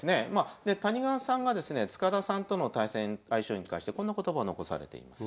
で谷川さんがですね塚田さんとの対戦相性に関してこんな言葉を残されています。